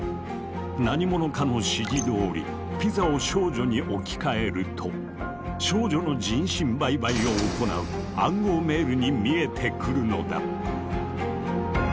何者かの指示どおり「ピザ」を「少女」に置き換えると「少女の人身売買」を行う暗号メールに見えてくるのだ！